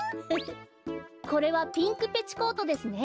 これはピンクペチコートですね。